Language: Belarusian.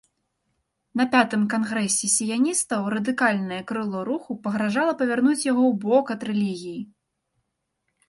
На пятым кангрэсе сіяністаў радыкальнае крыло руху пагражала павярнуць яго ў бок ад рэлігіі.